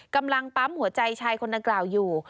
กำลังปั๊มหัวใจชายคนดังกล่าวอยู่